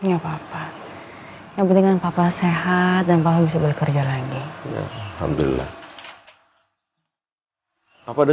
akan tetep berpercaya